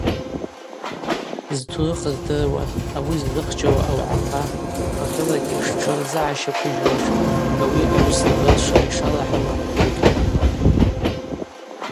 Зтурых здыруа, ауи ззыхчауа ауагӏахъа апхъахьылагьи штшырзыгӏащаквыжьуаш, ауи ауысла рылшара йшалахӏауа бергьльыпӏ.